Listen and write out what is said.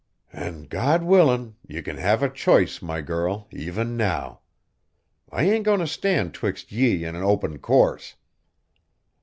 "An', God willin', ye kin have a choice, my girl, even now! I ain't goin' t' stand 'twixt ye an' a open course.